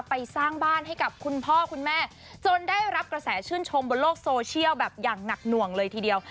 สร้างบ้านให้กับคุณพ่อคุณแม่จนได้รับกระแสชื่นชมบนโลกโซเชียลแบบอย่างหนักหน่วงเลยทีเดียว